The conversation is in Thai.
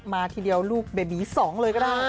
ทีเดียวลูกเบบี๒เลยก็ได้